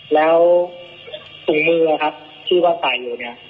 แล้วปุ่งมือที่ว่าฝ่ายอยู่